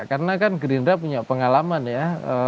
karena kan gerinda punya pengalaman ya